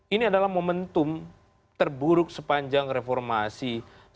ini adalah momentum terburuk sepanjang reformasi sembilan puluh delapan